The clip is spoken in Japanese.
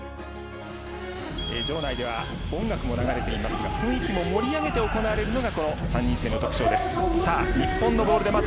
場内では音楽も流れていますが雰囲気も盛り上げて行われるのがこの３人制の特徴です。